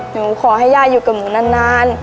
หนูขอให้ย่าอยู่กับหนูนาน